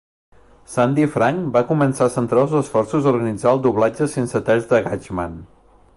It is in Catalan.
Sandy Frank va començar a centrar els esforços a organitzar el doblatge sense talls de Gatchaman.